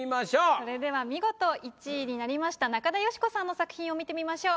それでは見事１位になりました中田喜子さんの作品を見てみましょう。